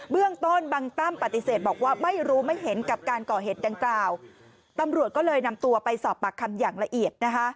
เรื่องต้นบังตั้มปฏิเสธบอกว่าไม่รู้ไม่เห็นกับการก่อเหตุดังกล่าวตำรวจก็เลยนำตัวไปสอบปากคำอย่างละเอียดนะคะ